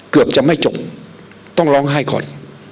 เกือบจะไม่จบต้องร้องไห้ก่อน